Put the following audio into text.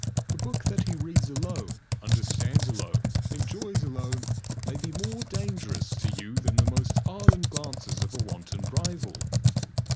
A book that he reads alone, understands alone, enjoys alone, may be more dangerous to you than the most ardent glances of a wanton rival.